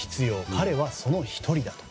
彼はその１人だと。